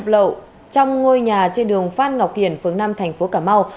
nhập lậu trong ngôi nhà trên đường phan ngọc hiển phường năm thành phố cà mau